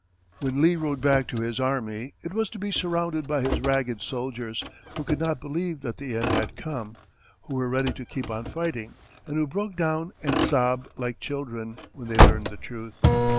[Illustration: LEE] When Lee rode back to his army, it was to be surrounded by his ragged soldiers, who could not believe that the end had come, who were ready to keep on fighting, and who broke down and sobbed like children when they learned the truth.